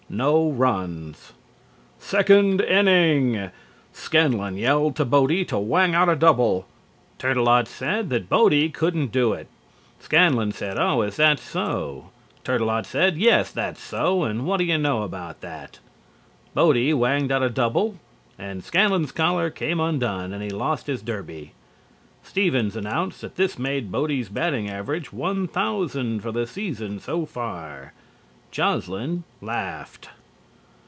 NO RUNS. SECOND INNING: Scanlon yelled to Bodie to to whang out a double. Turtelot said that Bodie couldn't do it. Scanlon said "Oh, is that so?" Turtelot said "Yes, that's so and whad' yer know about that?" Bodie whanged out a double and Scanlon's collar came undone and he lost his derby. Stevens announced that this made Bodie's batting average 1000 for the season so far. Joslin laughed.